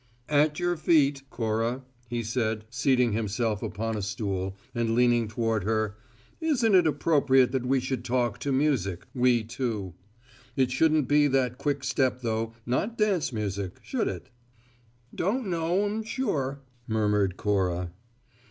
"At your feet, Cora," he said, seating himself upon a stool, and leaning toward her. "Isn't it appropriate that we should talk to music we two? It shouldn't be that quick step though not dance music should it?" "Don't know 'm sure," murmured Cora.